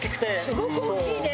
すごく大きいね。